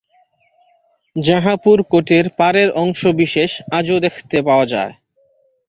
জাঁহাপুর কোটের পাড়ের অংশ বিশেষ আজও দেখতে পাওয়া যায়।